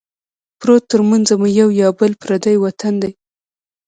پروت ترمنځه مو یو یا بل پردی وطن دی